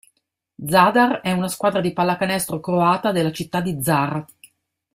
Zadar è una squadra di pallacanestro croata della città di Zara.